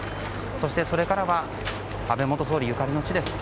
そして、それからは安倍元総理ゆかりの地です。